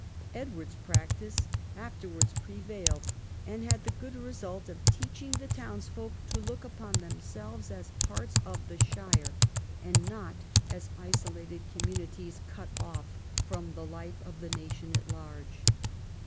Edward's practice afterwards pre vailed, and had the good result of teaching the towns folk to look upon themselves as parts of the shire, and not as isolated communities cut off from the life of the nation at large.